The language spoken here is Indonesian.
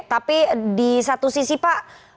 tapi di satu sisi pak